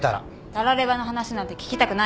たらればの話なんて聞きたくない。